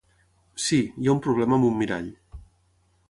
Sí, hi ha un problema amb un mirall.